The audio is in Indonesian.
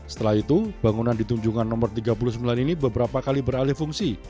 setelah itu bangunan di tunjungan nomor tiga puluh sembilan ini beberapa kali beralih fungsi